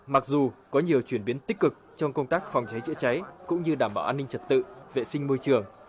mặc dù có nhiều chuyển biến tích cực trong công tác phòng cháy chữa cháy cũng như đảm bảo an ninh trật tự vệ sinh môi trường